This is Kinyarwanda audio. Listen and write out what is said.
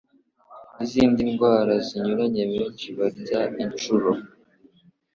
n’izindi ndwara zinyuranye. Benshi barya inshuro